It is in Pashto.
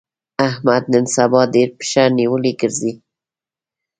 احمد نن سبا ډېر پښه نيولی ګرځي.